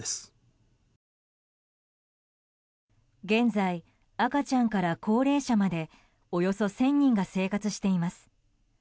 現在、赤ちゃんから高齢者までおよそ１０００人が生活しています。